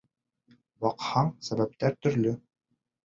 Баҡһаң, сәбәптәр төрлө.